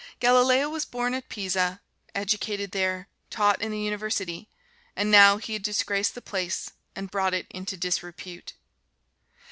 Galileo was born at Pisa, educated there, taught in the University; and now he had disgraced the place and brought it into disrepute.